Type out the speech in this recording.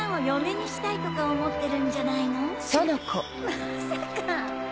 まさか！